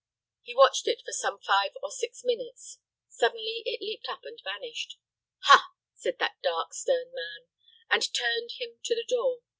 He watched it for some five or six minutes. Suddenly it leaped up and vanished. "Ha!" said that dark, stern man, and turned him to the door.